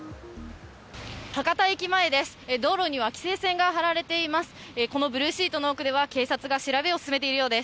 博多駅前です、道路には規制線が張られています。